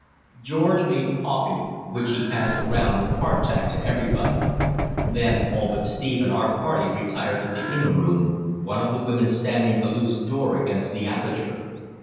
George made coffee, which he passed around with hardtack to everybody. Then all but Steve and our party retired to the inner room, one of the women standing a loose door against the aperture.